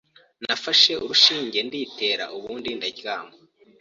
Nafasha urushinge nditera ubundi ndaryama